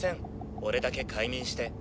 俺だけ快眠して。